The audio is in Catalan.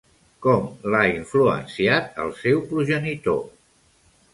Com l'ha influenciat el seu progenitor?